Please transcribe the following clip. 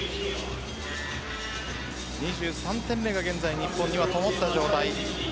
２３点目が現在日本には灯った状態。